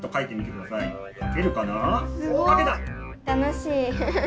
楽しい！